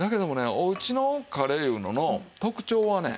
おうちのカレーいうのの特徴はね